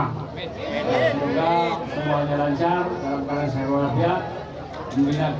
semoga semuanya lancar kembali ke masyarakat